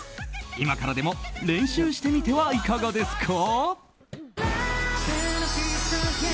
今からでも練習してみてはいかがですか。